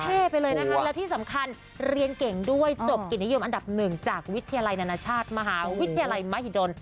ไปเลยนะคะแล้วที่สำคัญเรียนเก่งด้วยจบกิจนิยมอันดับหนึ่งจากวิทยาลัยนานาชาติมหาวิทยาลัยมหิดล